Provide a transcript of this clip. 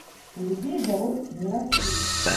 У людзей заробкі не растуць.